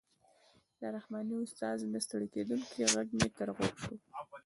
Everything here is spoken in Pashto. د رحماني استاد نه ستړی کېدونکی غږ مې تر غوږ شو.